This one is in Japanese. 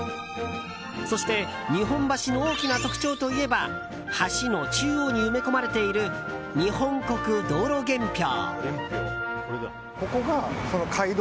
そして日本橋の大きな特徴といえば橋の中央に埋め込まれている日本国道路元標。